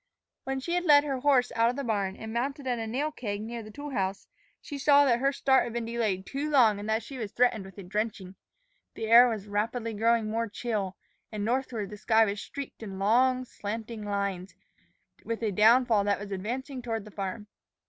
When she led her horse out of the barn and mounted at a nail keg near the tool house, she saw that her start had been delayed too long and that she was threatened with a drenching. The air was rapidly growing more chill, and northward the sky was streaked in long, slanting lines with a downfall that was advancing toward the farm.